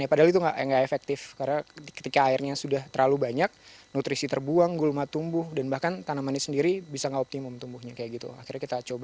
akhirnya kita coba di air